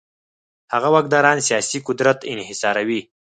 هغه واکداران سیاسي قدرت انحصاروي.